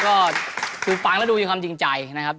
ก็สูฟังและดูจะความจริงใจนะครับ